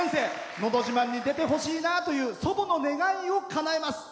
「のど自慢」に出てほしいなという祖母の願いをかなえます。